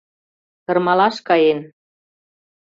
Тырмалаш каен.